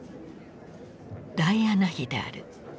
ダイアナ妃である。